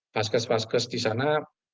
paskes paskes di sana